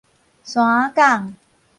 山仔港